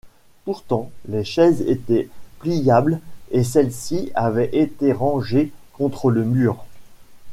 Pourtant les chaises étaient pliables et celle-ci avait été rangée contre le mur.